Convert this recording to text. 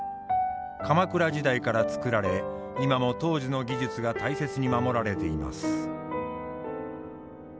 鎌倉時代から作られ今も当時の技術が大切に守られています。